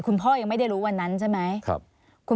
คุณพ่อยังไม่ได้รู้วันนั้นใช่ไหม